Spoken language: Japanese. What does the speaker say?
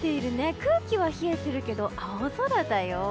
空気は冷えているけど青空だよ。